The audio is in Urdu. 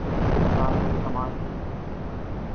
عمران بھائی کمال کے ایکڑ